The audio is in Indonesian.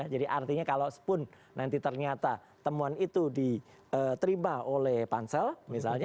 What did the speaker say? jadi artinya kalau sepun nanti ternyata temuan itu diterima oleh pansel misalnya